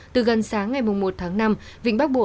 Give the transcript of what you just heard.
từ gần sáng ngày một tháng năm vịnh bắc bộ